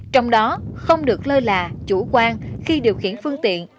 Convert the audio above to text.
trong đó không được lơ là chủ quan khi điều khiển phương tiện